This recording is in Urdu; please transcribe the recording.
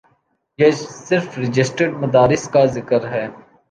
یہ صرف رجسٹرڈ مدارس کا ذکر ہے۔